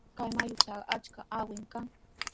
Kay mayutrawqa achka aqumi kan.